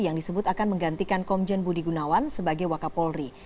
yang disebut akan menggantikan komjen budi gunawan sebagai wakapolri